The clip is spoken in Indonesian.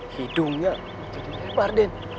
hidungnya jadi lebar den